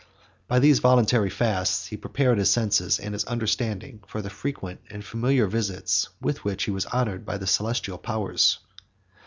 By these voluntary fasts, he prepared his senses and his understanding for the frequent and familiar visits with which he was honored by the celestial powers.